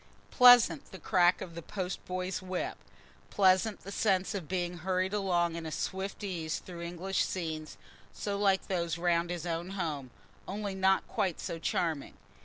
Pleasant the crack of the post boy's whip! Pleasant the sense of being hurried along in swift ease through English scenes, so like those round his own home, only not quite so charming.